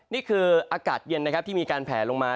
นี่คืออากาศเย็นนะครับที่มีการแผลลงมา